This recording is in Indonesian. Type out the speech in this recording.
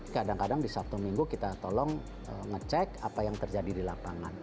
kadang kadang di sabtu minggu kita tolong ngecek apa yang terjadi di lapangan